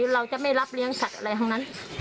เราจะไม่รับเลี้ยงสัตว์อะไรทั้งนั้น